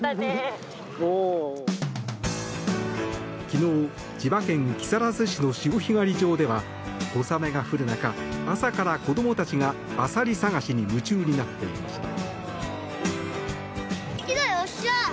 昨日、千葉県木更津市の潮干狩り場では小雨が降る中、朝から子供たちがアサリ探しに夢中になっていました。